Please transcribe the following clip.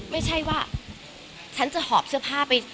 ไม่ใช่ว่าฉันจะหอบเสื้อผ้าไป